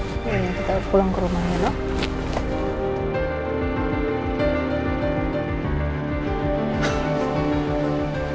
iya kita pulang ke rumahnya dong